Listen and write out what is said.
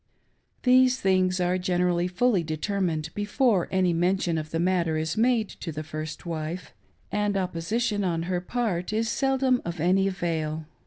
These things are generally fully determined before any mention of the matter is made to the first wife, and opposition on her part is seldom of any avail.